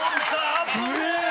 危ねえ！